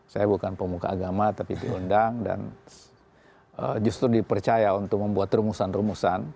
saya bukan pemuka agama tapi diundang dan justru dipercaya untuk membuat rumusan rumusan